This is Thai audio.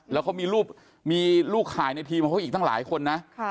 แล้วเขามีลูกขายในทีมของเขาอีกตั้งหลายคนนะ